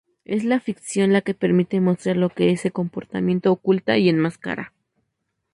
Es la ficción la que permite mostrar lo que ese comportamiento oculta y enmascara.